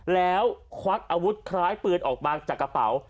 แล้วควักอาวุธคล้ายปืนออกมาจากกระเป๋า